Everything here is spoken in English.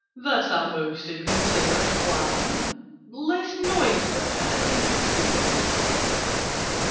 That's a most inconsiderate plan. Less noise there, if you please!"